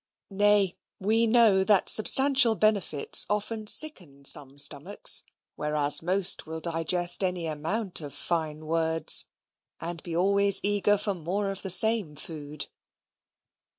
Nay, we know that substantial benefits often sicken some stomachs; whereas, most will digest any amount of fine words, and be always eager for more of the same food.